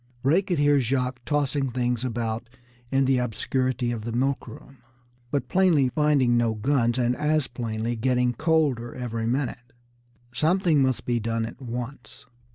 Ray could hear Jacques tossing things about in the obscurity of the milk room, but plainly finding no guns, and as plainly getting colder every minute. Something must be done at once.